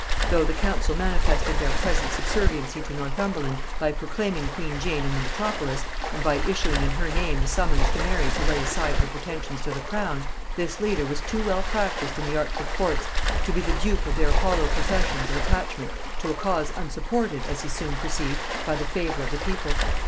Though the council manifested their present subserviency to Northumberland by proclaiming queen Jane in the metropolis, and by issuing in her name a summons to Mary to lay aside her pretensions to the crown, this leader was too well practised in the arts of courts, to be the dupe of their hollow professions of attachment to a cause unsupported, as he soon perceived, by the favor of the people.